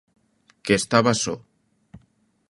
Que estaba só.